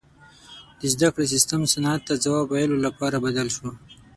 • د زدهکړې سیستم صنعت ته ځواب ویلو لپاره بدل شو.